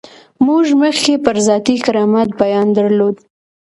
موږ مخکې پر ذاتي کرامت بیان درلود.